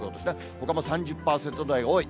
ほかも３０％台が多い。